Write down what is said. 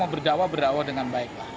berdakwah dengan baiklah